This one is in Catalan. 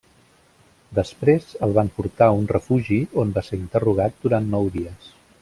Després el van portar a un refugi on va ser interrogat durant nou dies.